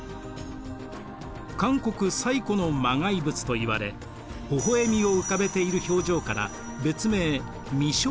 韓国最古の磨崖仏といわれほほ笑みを浮かべている表情から別名微笑